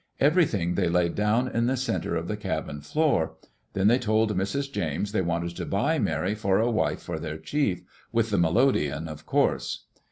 Everything they laid down in the center of the cabin floor. Then they told Mrs. James they wanted to buy Mary for a wife for their chief — with the melodeon, of course.